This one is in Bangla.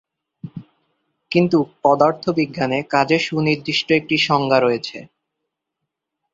কিন্তু পদার্থবিজ্ঞানে কাজের সুনির্দিষ্ট একটি সংজ্ঞা রয়েছে।